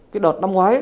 cái đợt năm ngoái